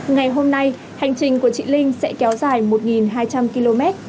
ngày hôm nay hành trình của chị linh sẽ kéo dài một hai trăm linh km